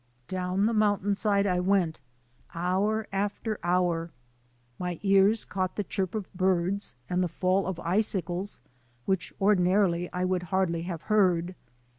Down the mountainside I went, hour after hour. My ears caught the chirp of birds and the fall of icicles which ordinarily I would hardly have heard.